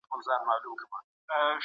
فشار نه راوړل کېږي.